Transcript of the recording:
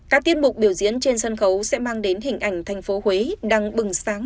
các tiết mục biểu diễn trên sân khấu sẽ mang đến hình ảnh thành phố huế đang bừng sáng